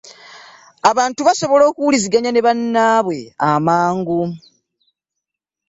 abantu basobola okuwuliziganya ne bannaabwe amangu.